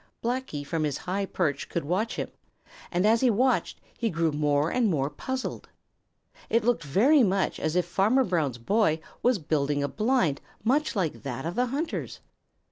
Blacky from his high perch could watch him, and as he watched, he grew more and more puzzled. It looked very much as if Farmer Brown's boy was building a blind much like that of the hunter's.